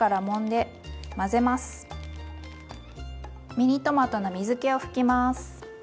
ミニトマトの水けを拭きます。